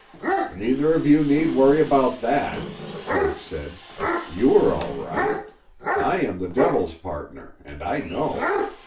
"Neither of you need worry about that," Tug said. "You are all right. I am the devil's partner, and I know.